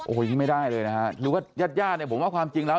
โอ้ยไม่ได้เลยนะฮะหรือว่ายาดผมว่าความจริงแล้ว